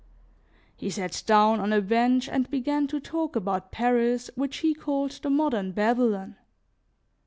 He sat down on a bench and began to talk about Paris, which he called the modern Babylon.